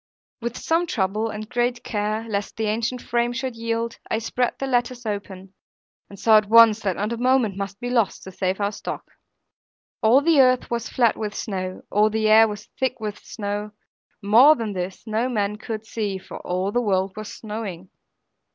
With some trouble, and great care, lest the ancient frame should yield, I spread the lattice open; and saw at once that not a moment must be lost, to save our stock. All the earth was flat with snow, all the air was thick with snow; more than this no man could see, for all the world was snowing.